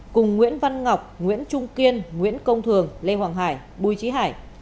cùng nguyễn văn ngọc nguyễn trung kiên nguyễn công thường lê hoàng hải bùi trí hải